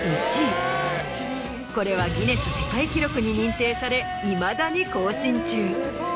これはギネス世界記録に認定されいまだに更新中。